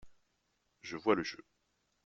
Je vois le jeu.